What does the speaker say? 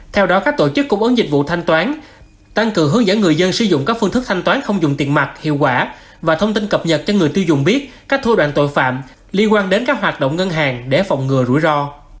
theo đó các tổ chức cung ứng dịch vụ thanh toán tăng cường hướng dẫn người dân sử dụng các phương thức thanh toán không dùng tiền mặt hiệu quả và thông tin cập nhật cho người tiêu dùng biết các thô đoạn tội phạm liên quan đến các hoạt động ngân hàng để phòng ngừa rủi ro